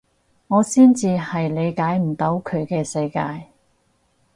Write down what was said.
我先至係理解唔到佢嘅世界